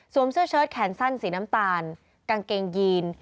เสื้อเชิดแขนสั้นสีน้ำตาลกางเกงยีน